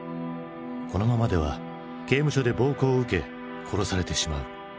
このままでは刑務所で暴行を受け殺されてしまう。